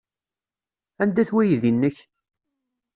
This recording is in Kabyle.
Anda-t weydi-nnek?